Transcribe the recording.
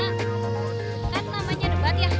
kan namanya debat ya